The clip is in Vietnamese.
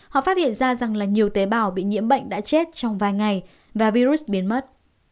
họ phát hiện ra rằng là nhiều tế bào bị nhiễm bệnh đã chết trong vài ngày và virus biến mất